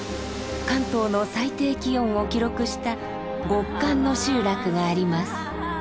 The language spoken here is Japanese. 関東の最低気温を記録した極寒の集落があります。